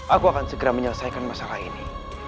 aku akan segera menyelesaikan masalah ini